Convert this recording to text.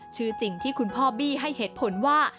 ชื่อจริงที่คุณพ่อบี้ให้เหตุผลว่า